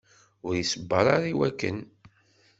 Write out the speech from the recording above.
Ur iṣebber ara i wakken.